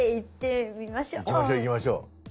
いきましょういきましょう。